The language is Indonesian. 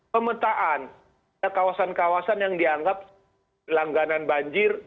pemetaan kawasan kawasan yang dianggap langganan banjir